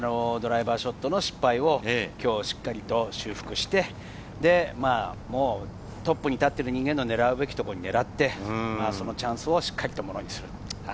きのうのドライバーショットの失敗をきょうしっかりと修復して、トップに立っている人間の狙うべきところを狙って、そのチャンスをしっかりものにする。